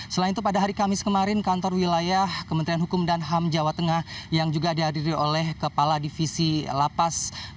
selain itu pada hari kamis kemarin kantor wilayah kementerian hukum dan ham jawa tengah yang juga dihadiri oleh kepala divisi lapas